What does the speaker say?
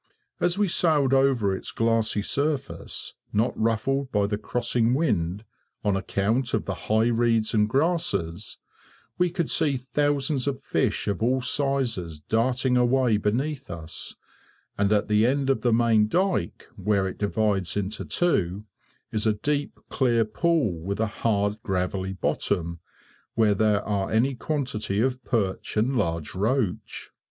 As we sailed over its glassy surface, not ruffled by the crossing wind, on account of the high reeds and grasses, we could see thousands of fish of all sizes darting away beneath us; and at the end of the main dyke, where it divides into two, is a deep, clear pool, with a hard, gravelly bottom, where there are any quantity of perch and large roach.